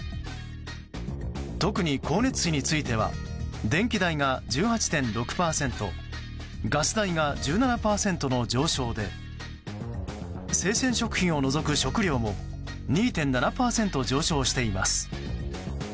特に光熱費については電気代が１８．６％ガス代が１７％の上昇で生鮮食品を除く食料も２．７％上昇しています。